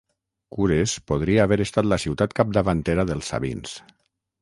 Cures podria haver estat la ciutat capdavantera dels sabins.